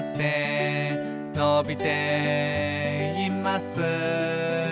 「のびています」